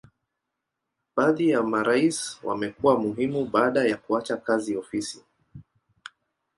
Baadhi ya marais wamekuwa muhimu baada ya kuacha kazi ofisi.